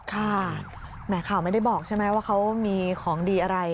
ค่ะแหมข่าวไม่ได้บอกใช่ไหมว่าเขามีของดีอะไร